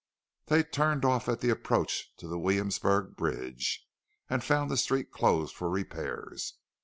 They turned off at the approach to the Williamsburg Bridge, and found the street closed for repairs.